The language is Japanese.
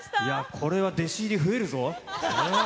これは弟子入り増えるぞ。